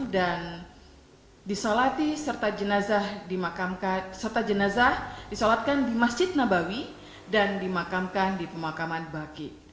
dan disolatkan serta jenazah di masjid nabawi dan dimakamkan di pemakaman bakit